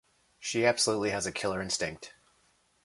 She absolutely has a killer instinct.